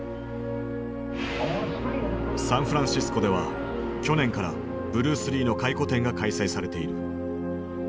サンフランシスコでは去年からブルース・リーの回顧展が開催されている。